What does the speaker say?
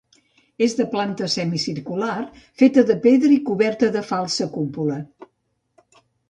És de planta semicircular feta de pedra i coberta de falsa cúpula.